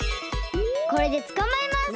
これでつかまえます！